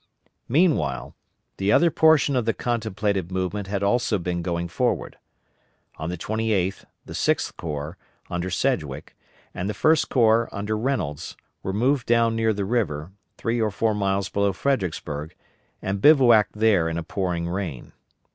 Meanwhile the other portion of the contemplated movement had also been going forward. On the 28th, the Sixth Corps, under Sedgwick, and the First Corps, under Reynolds, were moved down near the river, three or four miles below Fredericksburg, and bivouacked there in a pouring rain.